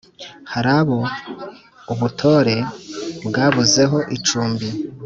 hari abo ubutore bwabuzeho icumbi,